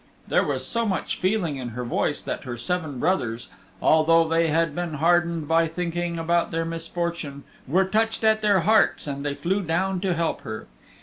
There was so much feeling in her voice that her seven brothers, although they had been hardened by thinking about their misfortune, were touched at their hearts and they flew down to help her.